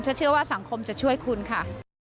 เชื่อว่าสังคมจะช่วยคุณค่ะ